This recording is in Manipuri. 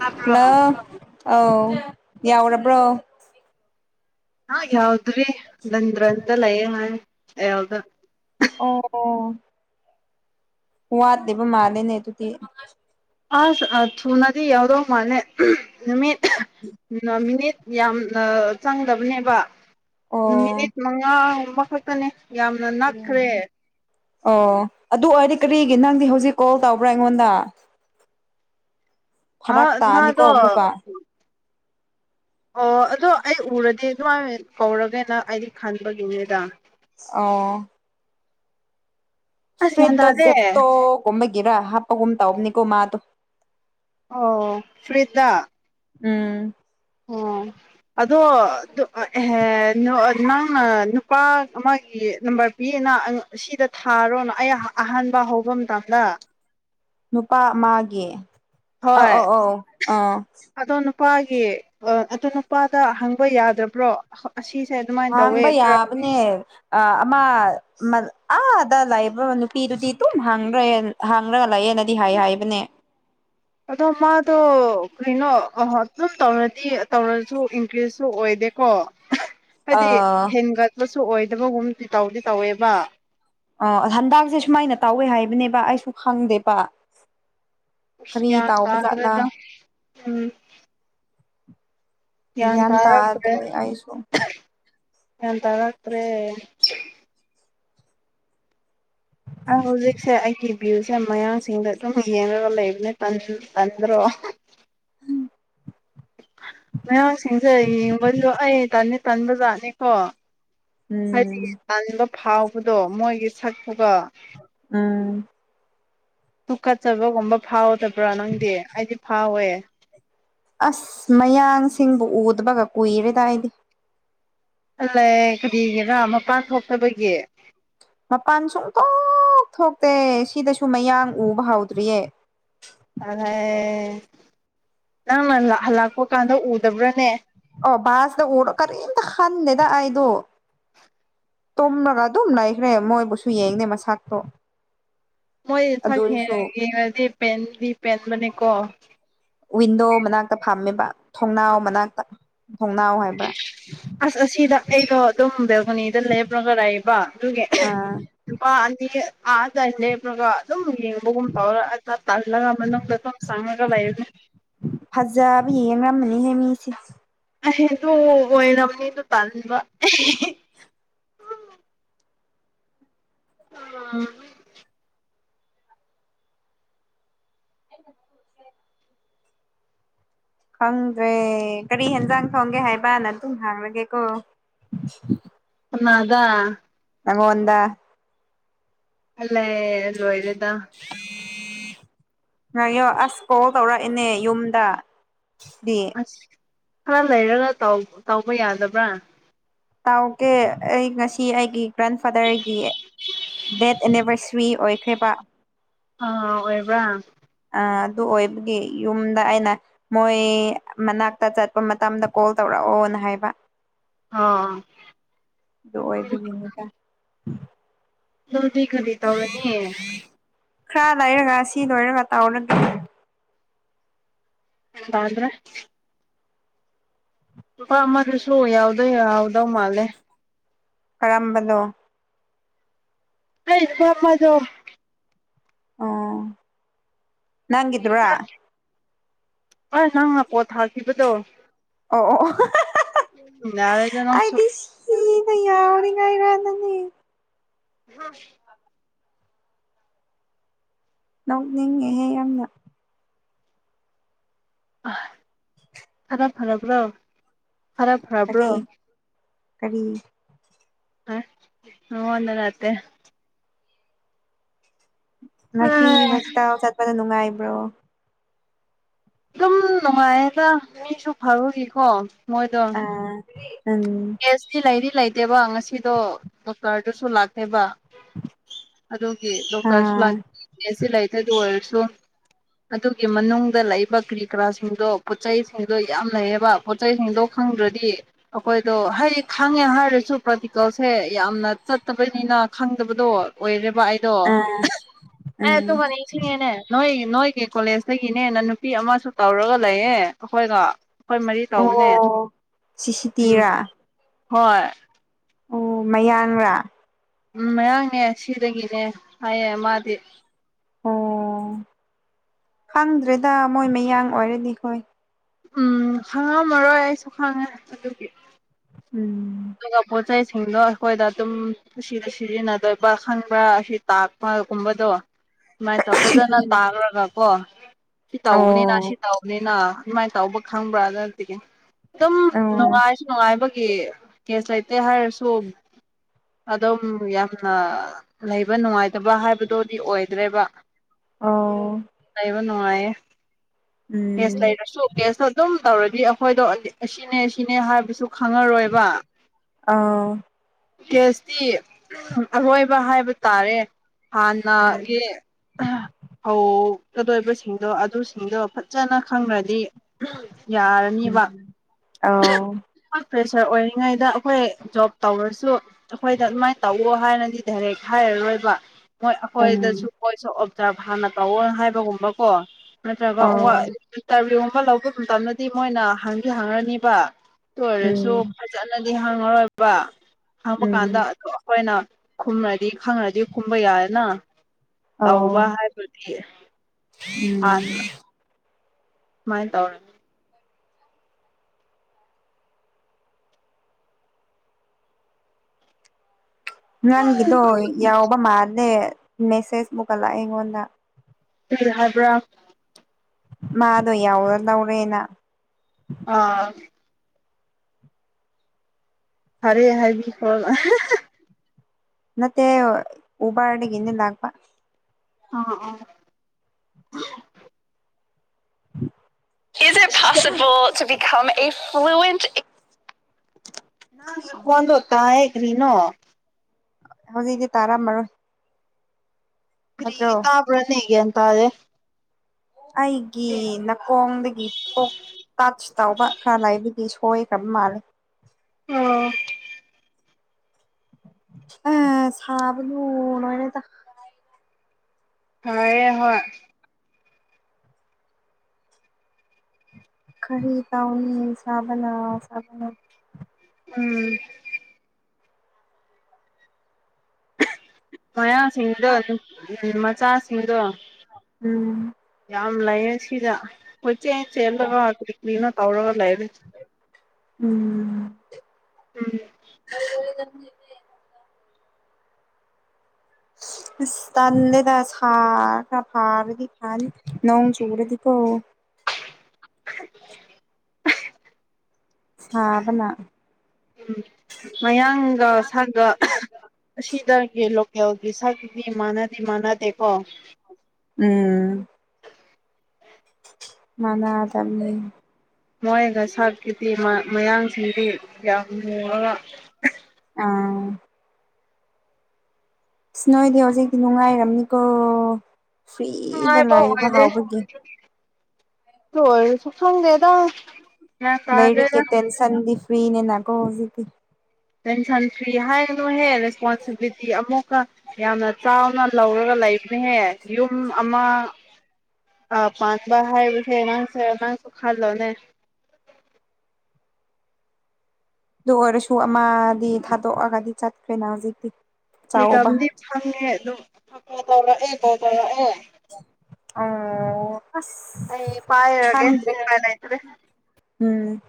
ꯇꯥꯕ꯭ꯔꯣ ꯍꯥꯜꯂꯣ ꯑꯧ ꯌꯥꯎꯔꯕ꯭ꯔꯣ ꯑꯥ ꯌꯥꯎꯗ꯭ꯔꯤ [inaudible] ꯅꯟꯗ꯭ꯔ ꯇ ꯂꯩꯌꯦ ꯃꯥꯏꯟ ꯑꯩ ꯌꯥꯎꯒ ꯑꯣ ꯑꯣ ꯋꯥꯠꯔꯤꯕ ꯃꯥꯟꯂꯦꯅꯦ ꯑꯗꯨꯗꯤ ꯑꯁ ꯑ ꯊꯨꯅꯗꯤ ꯌꯧꯗꯣ ꯃꯥꯟꯅꯦ ꯅꯨꯃꯤꯠ ꯅꯥ ꯃꯤꯅꯤꯠ ꯌꯥꯝ ꯅꯥ ꯆꯪꯗꯕꯅꯦꯕ ꯑꯣ ꯃꯤꯅꯤꯠ ꯃꯉꯥ ꯒꯨꯝꯕ ꯈꯛꯇꯅꯦ ꯌꯥꯝꯅ ꯅꯛꯈ꯭ꯔꯦ ꯑꯣ ꯑꯗꯨ ꯑꯣꯏꯔꯗꯤ ꯀꯔꯤꯒꯤ ꯅꯪꯗꯤ ꯍꯧꯖꯤꯛ ꯀꯣꯜ ꯇꯧꯕ꯭ꯔꯥ ꯑꯩꯉꯣꯟꯗ ꯑꯥ ꯐꯔꯛ ꯇꯥꯅꯤꯀꯣ ꯃꯥꯗꯣ ꯑꯃꯨꯛꯀ ꯑꯣ ꯑꯗꯣ ꯑꯩ ꯎꯔꯗꯤ ꯗꯨꯃꯥꯏꯃꯤꯟ ꯀꯧꯔꯒꯦꯅ ꯑꯩꯗꯤ ꯈꯟꯕꯒꯤꯅꯦꯗ ꯑꯧ ꯑꯁ ꯒ꯭ꯌꯥꯟ ꯐ꯭ꯔꯤꯠꯗꯣ ꯇꯥꯗꯦ ꯖꯦꯞꯇꯣ ꯒꯨꯝꯕꯒꯤꯔ ꯍꯥꯞꯄꯒꯨꯝ ꯇꯧꯕꯅꯤꯀꯣ ꯃꯥꯗꯣ ꯑꯧ ꯐ꯭ꯔꯤꯠꯗ ꯎꯝ ꯑꯣ ꯑꯗꯣ ꯗꯨ ꯑ ꯑꯦꯍꯦ ꯅꯣꯛꯑꯗꯤꯅꯪ ꯅ ꯅꯨꯄꯥꯛ ꯑꯃꯒꯤ ꯅꯝꯕꯔ ꯄꯤꯌꯦꯅ ꯑꯩꯉ ꯁꯤꯗ ꯊꯥꯔꯣꯅ ꯑꯩ ꯑꯍꯥꯟꯕ ꯍꯧꯕ ꯃꯇꯝꯗ ꯅꯨꯄꯥ ꯑꯃꯥꯒꯤ ꯑ ꯍꯣꯏ ꯑꯧ ꯑꯧ ꯑꯥ ꯑꯗꯣ ꯅꯨꯄꯥꯒꯤ ꯑꯣ ꯑꯗꯣ ꯅꯨꯄꯥꯗ ꯍꯪꯕ ꯌꯥꯗꯕ꯭ꯔꯣ ꯍꯛ ꯑꯁꯤꯁꯦ ꯑꯗꯨꯃ ꯍꯥꯡꯕ ꯌꯥꯕꯅꯦ ꯑ ꯑꯃ ꯃꯗ ꯑꯥꯗ ꯂꯩꯏꯕ ꯅꯨꯄꯤꯗꯨꯗꯤ ꯇꯨꯝ ꯍꯪꯒ꯭ꯔꯦ ꯍꯪꯔꯒ ꯂꯩꯌꯦꯅꯗꯤ ꯍꯥꯏ ꯍꯥꯏꯕꯅꯦ ꯑꯗꯣ ꯃꯥꯗꯣ ꯀꯩꯅꯣ ꯑꯍ ꯆꯨꯝ ꯇꯧꯔꯗꯤ ꯇꯧꯔꯁꯨ ꯏꯟꯀ꯭ꯔ꯭ꯤꯖꯁꯨ ꯑꯣꯏꯗꯦꯀꯣ ꯑꯍꯥ ꯍꯥꯏꯗꯤ ꯑ ꯍꯦꯟꯒꯠꯄꯁꯨ ꯑꯣꯏꯗꯕꯒꯨꯝꯗꯤ ꯇꯧꯗꯤ ꯇꯧꯋꯦꯕ ꯑꯣ ꯑꯍꯟꯗꯛꯁꯦ ꯁꯨꯃꯥꯏꯅ ꯇꯧꯋꯦ ꯍꯥꯏꯕꯅꯦꯕ ꯑꯩꯁꯨ ꯈꯪꯗꯦꯕ ꯎ꯭ꯨꯁ ꯀꯔꯤ ꯀ꯭ꯌꯥꯟ ꯇꯥꯎꯕ ꯖꯥꯠꯂꯥ ꯇꯥꯗ꯭ꯔꯦꯗ ꯎꯝ ꯌꯥꯟ ꯒ꯭ꯌꯥꯟ ꯇꯥꯔꯛꯇ꯭ꯔꯦ ꯇꯥꯗ꯭ꯔꯦ ꯑꯩꯁꯨ ꯌꯥꯟ ꯇꯥꯔꯛꯇ꯭ꯔꯦ ꯑ ꯍꯧꯖꯤꯛꯁꯦ ꯑꯩꯒꯤ ꯕꯤꯜꯁꯦ ꯃꯌꯥꯡꯁꯤꯡꯗ ꯑꯗꯨꯝ ꯌꯦꯡꯔꯒ ꯂꯩꯕꯅꯦ ꯇꯟ ꯇꯟꯗ꯭ꯔꯣ ꯃꯌꯥꯝꯁꯤꯡꯖꯦ ꯌꯦꯡꯕꯖꯨ ꯑꯩ ꯇꯟꯅꯤ ꯇꯟꯕꯖꯥꯠꯅꯤꯀꯣ ꯍꯥꯏꯗꯤ ꯎꯝ ꯇꯟꯕ ꯐꯥꯎꯕꯗꯣ ꯃꯣꯏꯒꯤ ꯁꯛ ꯇꯨꯒ ꯎꯝ ꯇꯨꯀꯠꯆꯕꯒꯨꯝꯕ ꯐꯥꯎꯗꯕ꯭ꯔꯥ ꯅꯪꯗꯤ ꯑꯩꯗꯤ ꯐꯥꯎꯋꯦ ꯑꯁ ꯃꯌꯥꯡꯁꯤꯡꯕꯨ ꯎꯗꯕꯒ ꯀꯨꯏꯔꯦꯗ ꯑꯩꯗꯤ ꯑꯜꯂꯦ ꯀꯤꯔꯤꯒꯤꯔꯥ ꯃꯄꯥꯟ ꯊꯣꯛꯇꯕꯒꯤ ꯃꯄꯥꯟ ꯁꯨꯡꯊꯣꯛ ꯊꯣꯛꯇꯦ ꯁꯤꯗꯁꯨ ꯃꯌꯥꯡ ꯎꯕ ꯍꯧꯗ꯭ꯔꯤꯌꯦ ꯑꯜꯂ꯭ꯍꯦ ꯅꯪꯅꯂ ꯍꯜꯂꯛꯄ ꯀꯥꯟꯗ ꯎꯗꯕ꯭ꯔꯥꯅꯦ ꯑꯣ ꯕꯥꯁꯗ ꯎꯔꯣ ꯀꯔꯤꯝꯇ ꯍ꯭ꯈꯟꯗꯦꯗ ꯑꯩꯗꯨ ꯇꯨꯝꯃ꯭ꯔꯒ ꯑꯗꯨꯝ ꯂꯩꯈ꯭ꯔꯦ ꯃꯣꯏꯕꯨꯁꯨ ꯌꯦꯡꯗꯦ ꯃꯁꯥꯛꯇꯣ ꯃꯣꯏ ꯁꯛ ꯌꯦꯡꯉꯗꯤ ꯄꯦꯟꯗꯤ ꯄꯦꯟꯕꯅꯦꯀꯣ ꯋꯤꯟꯗꯣ ꯃꯅꯥꯛꯇ ꯐꯥꯝꯃꯦꯕ ꯊꯣꯡꯅꯥꯎ ꯃꯅꯥꯛꯇ ꯊꯣꯡꯅꯥꯎ ꯍꯥꯏꯕ꯭ꯔꯥ ꯑꯁ ꯑꯁꯤꯗ ꯑꯩꯗꯣ ꯑꯗꯨꯝ ꯕꯦꯜꯒꯣꯅꯤꯗ ꯂꯦꯞ꯭ꯔꯒ ꯂꯩꯥꯛꯏꯕ ꯑꯗꯨꯒꯤ ꯑꯥ ꯑꯅꯤ ꯑ ꯑꯂꯦꯒ ꯂꯧꯧ ꯄꯔ ꯇꯥꯥꯟꯂꯒ ꯃ ꯅ ꯁꯥꯡꯉ ꯀ ꯥꯏꯛ ꯐꯖꯥꯕ ꯌꯦꯡꯔꯝ ꯃꯅꯤꯅꯦ ꯃꯤꯁꯤ ꯍꯦꯣ ꯑꯣꯏꯔꯝꯅꯤꯣ ꯇꯥꯟꯕ ꯎ [unintelligible] ꯈꯪꯗ꯭ꯔꯦ ꯀꯔꯤ ꯌꯦꯦꯟꯖꯥꯡ ꯈꯪꯒꯦ ꯍꯥꯏꯕꯅ ꯑꯗꯨꯝ ꯍꯥꯡꯂꯒꯦꯀꯣ ꯎꯗ ꯅꯉꯣꯗ ꯑꯂꯦ ꯂꯣꯏꯔꯦꯗ ꯉꯣ ꯑꯁ ꯀꯣꯜ ꯇꯧꯔꯛꯏꯦꯅꯦ ꯌꯨꯝꯗ ꯑꯁ ꯈꯔ ꯂꯩꯔꯒ ꯇꯧꯕ ꯌꯥꯗꯕ꯭ꯔꯥ ꯇꯥꯎꯒꯦ ꯑꯩ ꯉꯁꯤ ꯑꯩꯒꯤ ꯒ꯭ꯔꯥꯟꯐꯥꯗꯔꯒꯤ ꯗꯦꯠ ꯑꯦꯅꯤꯕꯔꯁꯔꯤ ꯑꯣꯏꯈ꯭ꯔꯦꯕ ꯑꯥ ꯑꯣꯏꯕ꯭ꯔꯥ ꯑ ꯑꯗꯨ ꯑꯣꯏꯕꯒꯤ ꯌꯨꯝꯗ ꯑꯩꯅ ꯃꯣꯏ ꯃꯅꯥꯛꯇ ꯆꯠꯄ ꯃꯇꯝꯗ ꯀꯣꯜ ꯇꯧꯔꯛꯑꯣꯅ ꯍꯥꯏꯕ ꯑꯥ ꯑꯗꯨ ꯑꯣꯏꯕꯒꯤꯅꯤꯗ ꯑꯗꯨꯗꯤ ꯀꯗꯤ ꯇꯧꯔꯅꯤ ꯈꯔ ꯂꯩꯔꯒ ꯁꯤ ꯂꯣꯏꯔꯒ ꯇꯥꯎꯔꯅꯒ ꯕꯗ꯭ꯔ ꯂꯨꯄꯥ ꯑꯃꯗꯁꯨ ꯌꯥꯎꯗꯧ ꯌꯥꯎꯗꯧ ꯃꯥꯜꯂꯦ ꯀꯔꯝꯕꯅꯣ ꯑꯩ ꯄꯃꯗꯣ ꯑꯣ ꯅꯪꯗꯔꯥ ꯑꯁ ꯅꯪ ꯉ ꯄꯣꯠ ꯊꯥꯈꯤꯕꯗꯣ ꯑꯣ ꯑꯣ ꯌꯥꯔꯦꯗ ꯅꯪꯁꯨ ꯑꯩꯗꯤꯁ ꯏꯒ ꯌꯥꯎꯔꯤꯒ ꯏꯒꯗꯅꯤ ꯍꯥ ꯅꯣꯛꯅꯤꯡꯉꯦꯍꯦ ꯌꯥꯝꯅ ꯑ ꯐꯔꯞ ꯐꯔꯔꯕ꯭ꯔꯣ ꯀꯔꯤ ꯀꯔꯤ ꯑꯟꯅꯠꯇꯦ ꯉꯁꯤ ꯑꯗꯨꯝ ꯍꯖꯤꯛꯇꯥꯎ ꯆꯠꯄꯗ ꯅꯨꯡꯉꯥꯏꯕ꯭ꯔꯣ ꯑꯗꯨꯝ ꯅꯨꯡꯉꯥꯏꯌꯦꯗ ꯃꯤꯁꯨ ꯐꯔꯨꯏꯀꯣ ꯃꯣꯏꯗꯣ ꯎꯝ ꯇꯦꯁꯇꯤ ꯂꯩꯗꯤ ꯂꯩꯇꯦꯕ ꯉꯁꯤꯗꯣ ꯗꯣꯛꯇꯔꯗꯨꯁꯨ ꯂꯥꯛꯇꯦꯕ ꯑꯗꯨ ꯗꯣꯛꯇꯔꯁꯨ ꯑꯥ ꯁꯤ ꯂꯩꯇꯦ ꯑꯗꯨ ꯑꯣꯏꯔꯁꯨ ꯑꯗꯨꯒꯤ ꯃꯅꯨꯡꯗ ꯂꯩꯕ ꯀꯔꯤ ꯀꯔꯥꯁꯤꯡꯗꯣ ꯄꯣꯠꯆꯩꯁꯤꯡꯗꯣ ꯌꯥꯝ ꯂꯩꯌꯦꯕ ꯄꯣꯠꯩ ꯆꯩꯁꯤꯡꯁꯤꯡꯗꯣ ꯈꯪꯗ꯭ꯔꯗꯤ ꯑꯩꯈꯣꯏ ꯑꯗꯣ ꯍꯌꯦ ꯈꯪꯉꯦ ꯍꯥꯏꯔꯁꯨ ꯄ꯭ꯔꯥꯛꯇꯤꯀꯜꯁꯦ ꯌꯥꯝꯅ ꯆꯠꯇꯕꯅꯤꯅ ꯈꯪꯗꯕꯗꯣ ꯑꯣꯏꯔꯦꯕ ꯑꯥ ꯎꯝ ꯗꯣꯇꯣ ꯐꯉ ꯁꯤꯅꯦꯦꯅꯦ ꯅꯣꯏ ꯅꯣꯏꯒꯤ ꯀꯣꯂꯦꯖꯇꯒꯤꯅꯦꯅ ꯅꯨꯄꯤ ꯑꯃꯁꯨ ꯇꯧꯔꯒ ꯂꯩꯌꯦꯦ ꯑꯩꯈꯣꯏꯒ ꯑꯩꯈꯣꯏ ꯃꯔꯤ ꯇꯧꯕꯅꯦ ꯑꯣ ꯎꯝ ꯁꯤꯁꯤꯇꯤꯔꯥ ꯍꯣꯏ ꯑꯣ ꯃꯌꯥꯡꯔꯥ ꯎꯝ ꯃꯌꯥꯝꯡꯅꯦ ꯁꯤꯗꯒꯤꯅꯦ ꯍꯥꯏꯌꯦ ꯃꯥꯗꯤ ꯑꯣ ꯈꯪꯗ꯭ꯔꯦꯗ ꯃꯣꯏ ꯃꯌꯥꯡ ꯑꯣꯏꯔꯗꯤ ꯈꯣꯏ ꯎꯝ ꯈꯪꯉꯝꯃꯔꯣꯏ ꯑꯩꯁꯨ ꯈꯪꯉꯦ ꯑꯗꯨꯒꯤ ꯎꯝ ꯑꯗꯨꯒ ꯄꯣꯠ ꯆꯩꯁꯤꯡꯗꯣ ꯑꯩꯈꯣꯏꯗ ꯑꯗꯨꯝ ꯁꯤꯗ ꯁꯤꯖꯤꯟꯅꯗꯣꯏꯕ ꯈꯪꯕ꯭ꯔꯥ ꯇꯥꯛꯄ ꯀꯨꯝꯕꯗꯣ ꯁꯨꯃꯥꯏꯅ ꯇꯧ ꯐꯖꯅ ꯎꯝ ꯇꯥꯈ꯭ꯔꯒ ꯀꯣ ꯁꯤ ꯇꯧꯕꯅꯤꯅ ꯑꯣ ꯁꯤ ꯇꯧꯅꯤꯅ ꯑꯗꯨꯃꯥꯏꯅ ꯇꯧꯕ ꯈꯪꯕ꯭ꯔꯥ ꯑꯗꯨꯅꯠꯇꯒꯤ ꯑꯗꯨꯝ ꯑꯣ ꯅꯨꯡꯉꯥꯏꯁꯨ ꯅꯨꯡꯉꯥꯏꯕꯒꯤ ꯀꯦꯁ ꯂꯩꯇꯦ ꯍꯥꯏꯔꯁꯨ ꯑꯗꯨꯝ ꯌꯥꯝꯅ ꯂꯩꯕ ꯅꯨꯡꯉꯥꯏꯇꯕ ꯍꯥꯏꯕꯗꯨꯣꯗꯤ ꯑꯣꯏꯗ꯭ꯔꯦꯕ ꯑꯧ ꯂꯩꯕ ꯅꯉꯥꯏꯌꯦ ꯎꯝ ꯀꯦꯁ ꯂꯩꯔꯁꯨ ꯀꯦꯁꯇꯣ ꯑꯗꯨꯝ ꯇꯧꯔꯗꯤ ꯑꯩꯈꯣꯏꯗꯣ ꯑꯁꯤꯅꯦ ꯁꯤꯅꯦ ꯍꯥꯏꯕꯁꯨ ꯈꯪꯉꯔꯣꯏꯕ ꯑꯧ ꯀꯦꯁꯇꯤ ꯑꯔꯣꯏꯕ ꯍꯥꯏꯕ ꯇꯥꯔꯦ ꯎꯝ ꯍꯥꯟꯅꯒꯤ ꯍꯧꯒꯗꯣꯏꯕꯁꯤꯡꯗꯣ ꯑꯗꯨꯁꯤꯡꯗꯣ ꯐꯖꯅ ꯈꯪꯔꯗꯤ ꯌꯥꯔꯅꯤꯕ ꯎꯝ ꯑꯧ ꯐ꯭ꯔꯦꯁꯔ ꯑꯣꯏ ꯉꯩꯗ ꯑꯩꯈꯣꯏ ꯗ꯭ꯔꯣꯞ ꯇꯧꯔꯁꯨ ꯑꯩꯈꯣꯏꯗ ꯑꯗꯨꯃꯥꯏꯅ ꯇꯧꯋꯣ ꯍꯥꯏꯔꯗꯤ ꯗꯥꯏꯔꯦꯛ ꯍꯥꯏꯔꯔꯣꯏꯕ ꯃꯣꯏ ꯑꯩꯈꯣꯏꯗꯁꯨ ꯎꯝ ꯃꯣꯏꯁꯨ ꯑꯣꯕꯖꯥꯔꯕ ꯍꯥꯟꯅ ꯇꯧꯋꯣꯅ ꯍꯥꯏꯕꯒꯨꯝꯕ ꯀꯣ ꯅꯠꯇ꯭ꯔꯒ ꯑꯧ ꯏꯟꯇꯔꯚꯤꯌꯨꯒꯨꯝꯕ ꯂꯧꯕ ꯃꯇꯝꯗꯗꯤ ꯃꯣꯏꯅ ꯍꯪꯗꯤ ꯍꯪꯉꯅꯤꯕ ꯇꯣꯏꯔꯁꯨ ꯎꯝ ꯐꯖꯅꯗꯤ ꯍꯥꯡꯉꯔꯣꯏꯕ ꯍꯥꯡꯕ ꯎꯝ ꯀꯥꯟꯗ ꯑꯗꯣ ꯑꯩꯈꯣꯏꯅ ꯈꯨꯝꯔꯗꯤ ꯈꯪꯉꯗꯤ ꯈꯨꯝꯕ ꯌꯥꯔꯅ ꯑꯣ ꯇꯧꯕ ꯍꯥꯏꯕ ꯑꯣꯏꯗꯤ ꯎꯝ ꯃꯥꯏ ꯇꯧꯔꯦ ꯅꯪꯒꯤꯖꯣ ꯌꯥꯎꯕ ꯃꯥꯂꯦ ꯃꯦꯁꯦꯖꯕꯨꯛꯂ ꯑꯩꯉꯣꯟꯗ ꯀ꯭ꯔꯤ ꯍꯥꯏꯕ꯭ꯔꯥ ꯃꯥꯗꯣ ꯌꯥꯎꯔ ꯂꯧꯔꯦꯅ ꯑꯥ ꯐꯔꯦ ꯍꯥꯏꯕꯔꯤꯈꯣ ꯅꯠꯇꯦ ꯎꯕꯥꯔꯗꯒꯤꯅꯤ ꯂꯥꯛꯕ ꯑ ꯑꯥꯎ ꯢꯖꯤꯠ possible to become a fluent ꯅꯪꯒꯤ ꯈꯣꯟꯗꯣ ꯇꯥꯢꯌꯦ ꯀ꯭ꯔꯤꯅꯣ ꯍꯧꯖꯤꯛ ꯇꯔ ꯇꯥꯔꯝꯃꯔꯣꯏ ꯑꯗꯣ ꯒꯌꯥꯟ ꯇꯥꯗꯦ ꯑꯩꯒꯤ ꯅꯥꯀꯣꯡꯗꯒꯤ ꯊꯣꯛ ꯇꯠꯁ ꯑꯇꯥꯎꯕ ꯈꯔ ꯂꯩꯕꯗꯤ ꯁꯣꯏꯈ꯭ꯔꯕ ꯃꯥꯜꯂꯦ ꯑꯣ ꯑ ꯁꯥꯕꯗꯨ ꯂꯣꯏꯔꯦꯗ ꯁꯥꯢꯌꯦ ꯍꯣꯏ ꯀꯔꯤ ꯇꯧꯅꯤ ꯁꯥꯕꯅ ꯁꯥꯕꯅ ꯎꯝ ꯃꯌꯥꯁꯤꯡꯗꯣ ꯎꯝ ꯃꯆꯥꯁꯤꯡꯗꯣ ꯎꯝ ꯌꯥꯝ ꯂꯩꯌꯦ ꯁꯤꯗ ꯍꯣꯏꯆꯦꯟ ꯆꯦꯜꯂꯒ ꯀꯔꯤ ꯀ꯭ꯔꯤꯅꯣ ꯇꯧꯔꯒ ꯂꯩ ꯎꯝ ꯎꯝ ꯇꯟꯂꯦꯗ ꯁꯥꯔꯀꯥꯟꯗꯗꯤ ꯈꯥꯅꯤ ꯅꯣꯡ ꯆꯨꯔꯗꯤ ꯀꯣ ꯊꯥꯕꯅꯥ ꯎꯝ ꯃꯌꯥꯡꯒ ꯁꯥꯒ ꯑꯁꯤꯗꯒꯤ ꯂꯣꯀꯦꯜꯒꯤ ꯁꯛꯗꯤ ꯃꯥꯟꯅꯗꯤ ꯃꯥꯟꯅꯗꯦꯀꯣ ꯎꯝ ꯃꯥꯅꯥ ꯌꯥꯝ ꯂꯩ ꯃꯣꯏꯒ ꯁꯥꯔꯀꯤꯗꯤ ꯃꯌꯥꯡꯁꯤꯡꯗꯤ ꯌꯥꯝ ꯃꯨꯔꯒ ꯑꯥ ꯁ ꯅꯣꯏꯗꯤ ꯍꯧꯖꯤꯛꯇꯤ ꯅꯨꯡꯉꯥꯏꯔꯝꯅꯤꯀꯣ ꯐ꯭ꯔꯤꯗ ꯅꯨꯡꯉꯥꯏꯕ ꯂꯥꯏꯕ ꯑꯣꯏꯗꯦ ꯍꯥꯎꯕꯒꯤ ꯇ ꯁꯁꯪꯗꯦꯗ ꯂꯦꯔꯤꯛꯀꯨ ꯇꯜꯁꯟꯗꯤ ꯐꯤꯅꯦ ꯅꯒꯣ ꯍꯧꯖꯤꯗꯤ ꯇꯦꯟꯁꯟ ꯐ꯭ꯔꯤ ꯍꯥꯏꯒ ꯑꯗꯨꯝ ꯍꯦꯛ ꯔꯦꯁꯄꯣꯟꯁꯤꯕꯤꯂꯤꯇꯤ ꯑꯃꯨꯛꯀ ꯌꯥꯝꯅ ꯆꯥꯎꯅ ꯂꯧꯔꯒ ꯂꯩꯕꯅꯦꯍꯦ ꯌꯨꯝ ꯑꯃ ꯑ ꯄꯥꯠꯕ ꯍꯥꯏꯕꯁꯦ ꯃꯥꯁꯦ ꯃꯥꯁꯨ ꯈꯜꯂꯣꯅꯦ ꯑꯗꯨ ꯑꯣꯏꯔꯁꯨ ꯑꯃꯗꯤ ꯊꯥꯗꯣꯛꯑꯒꯗꯤ ꯆꯠꯈ꯭ꯔꯦꯅ ꯍꯧꯖꯤꯛꯇꯤ ꯆꯥꯎꯕ ꯐꯤꯗꯝꯗꯤ ꯐꯪꯉꯦ ꯑꯗꯣꯣ ꯇꯧꯔꯛꯑꯦ ꯀꯣ ꯇꯧꯔꯛꯑꯦ ꯑꫭ ꯑꯁ ꯑꯩ ꯄꯥꯏꯔꯒꯦ ꯈꯪꯗ꯭ꯔꯦ ꯎꯄ ꯥꯏꯅꯥꯏꯇꯦ ꯎꯝ